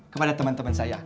kepada teman teman saya